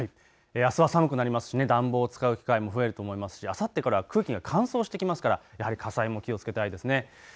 あすは寒くなりますし暖房を使う機会も増えると思いますしあさってから空気が乾燥してきますから、やはり火災も気をつけたいですね。